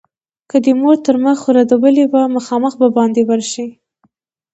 که دې مور تر مخ رودلې وه؛ مخامخ به باندې ورشې.